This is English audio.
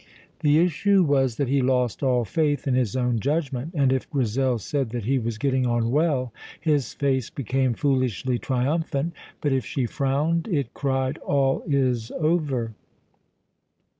The issue was that he lost all faith in his own judgment, and if Grizel said that he was getting on well, his face became foolishly triumphant, but if she frowned, it cried, "All is over!"